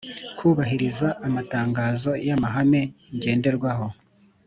Kutubahiriza amatangazo y amahame ngenderwaho